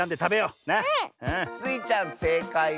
うん！スイちゃんせいかい！